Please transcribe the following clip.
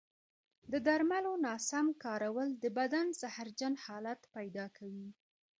د درملو ناسم کارول د بدن زهرجن حالت پیدا کوي.